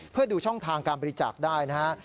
เพื่อดูช่องทางการบริจาคได้นะฮะ